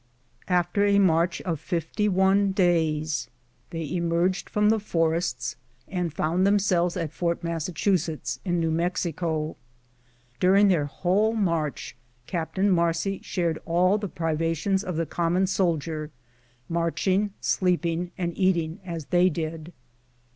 "After a march of fifty one days, they emerged from the 226 THANKS OF GENERAL IN CHIEF, forests, and found themselves at Fort Massachusetts, in New Mexico. "During their whole march Captain Marcy 'shared all the privations of the common soldier, marching, sleeping, and eating as they did."